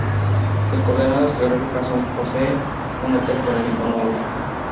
Sus coordenadas geográficas son Posee un hotel con el mismo nombre.